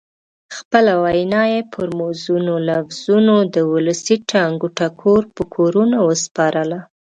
خپله وینا یې پر موزونو لفظونو د ولسي ټنګ ټکور په کورونو وسپارله.